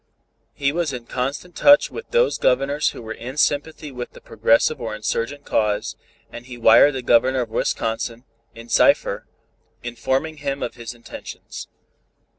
He was in constant touch with those Governors who were in sympathy with the progressive or insurgent cause, and he wired the Governor of Wisconsin, in cipher, informing him of his intentions.